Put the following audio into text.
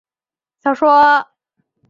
这是村上春树的第九部长篇小说。